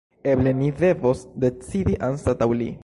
Eble ni devos decidi anstataŭ li.